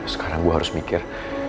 sekarang gue harus mikir